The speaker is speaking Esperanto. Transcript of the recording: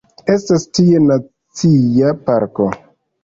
Estas tie nacia parko.